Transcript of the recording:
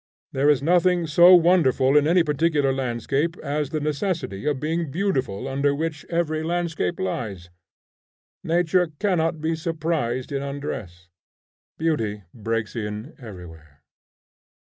There is nothing so wonderful in any particular landscape as the necessity of being beautiful under which every landscape lies. Nature cannot be surprised in undress. Beauty breaks in everywhere.